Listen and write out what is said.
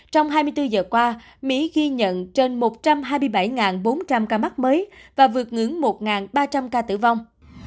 trong hai mươi bốn giờ qua mỹ ghi nhận trên một trăm hai mươi bảy bốn trăm linh ca mắc mới và vượt ngưỡng một ba trăm linh ca tử vong